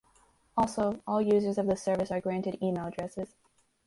Also, all users of the service are granted email addresses.